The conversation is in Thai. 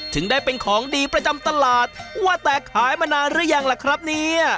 ถึงได้เป็นของดีประจำตลาดว่าแต่ขายมานานหรือยังล่ะครับเนี่ย